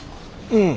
うん。